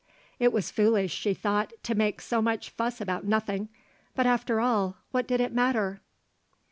It was foolish, she thought, to make so much fuss about nothing; but after all, what did it matter?